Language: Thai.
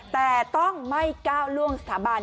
แต่ต้องไม่ก้าวล่วงสถาบัน